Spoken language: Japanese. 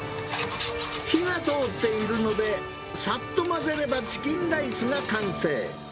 火が通っているので、さっと混ぜればチキンライスが完成。